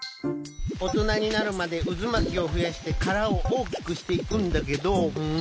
おとなになるまでうずまきをふやしてからをおおきくしていくんだけど。